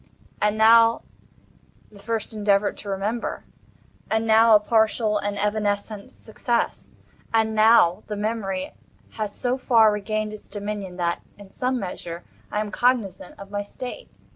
And now the first endeavor to remember. And now a partial and evanescent success. And now the memory has so far regained its dominion, that, in some measure, I am cognizant of my state.